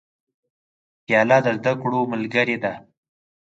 پیاله د زده کړو ملګرې ده.